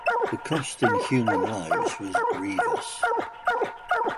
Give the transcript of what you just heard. The cost in human lives was grievous.